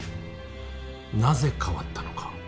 なぜ変わったのか。